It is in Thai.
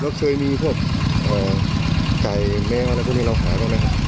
แล้วเคยมีพวกไก่แม่วะแล้วก็มีเราขายบ้างไหมค่ะ